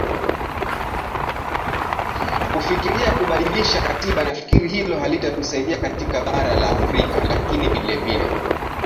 kufikiriai kubadilisha katiba nafikiri hilo halitatusaidia katika bara la afrika lakini vile vile